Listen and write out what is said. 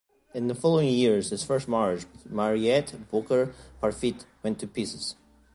In the following years his first marriage with Marietta Böker-Parfitt went to pieces.